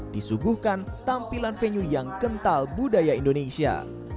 disuguhkan tampilan venue yang kental budaya indonesia